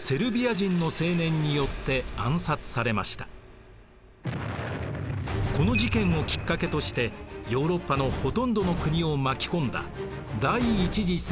この事件をきっかけとしてヨーロッパのほとんどの国を巻き込んだ第一次世界大戦が勃発します。